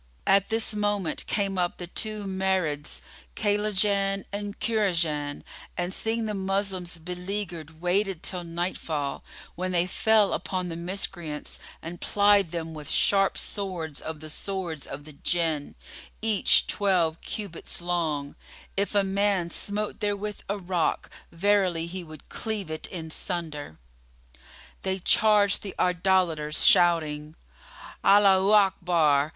At this moment came up the two Marids Kaylajan and Kurajan and, seeing the Moslem beleaguered waited till nightfall, when they fell upon the miscreants and plied them with sharp swords of the swords of the Jinn, each twelve cubits long, if a man smote therewith a rock, verily he would cleave it in sunder. They charged the Idolaters, shouting, "Allaho Akbar!